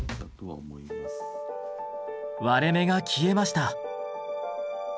割れ目が消えました。